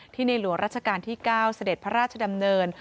ที่ในหลวงราชการที่๙เศรษฐ์พระราชดำเนิน